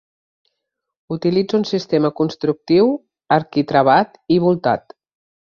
Utilitza un sistema constructiu arquitravat i voltat.